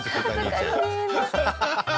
ハハハハ！